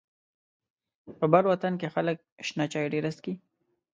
په بر وطن کې خلک شنه چای ډيره څکي.